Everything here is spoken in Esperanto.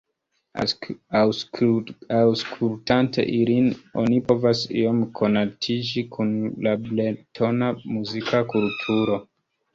Aŭskultante ilin oni povas iom konatiĝi kun la bretona muzika kulturo.